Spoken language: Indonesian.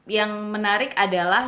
yang menarik adalah